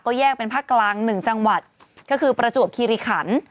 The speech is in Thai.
แยกเป็นภาคกลาง๑จังหวัดก็คือประจวบคิริขัน